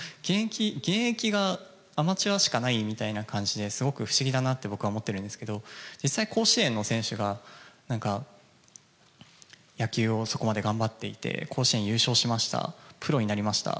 現役がアマチュアしかないみたいな感じで、すごく不思議だなって、僕は思ってるんですけど、実際、甲子園の選手がなんか野球をそこまで頑張っていて、甲子園、優勝しました、プロになりました。